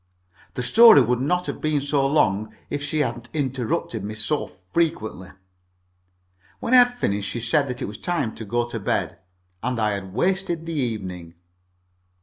The story would not have been so long if she hadn't interrupted me so frequently. When I had finished, she said that it was time to go to bed, and I had wasted the evening.